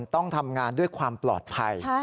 ต้องทำงานด้วยความปลอดภัย